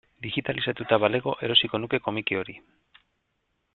Digitalizatuta balego erosiko nuke komiki hori.